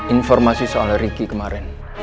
informasi soal ricky kemarin